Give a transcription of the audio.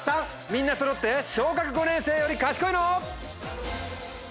みんなそろって小学５年生より賢いの？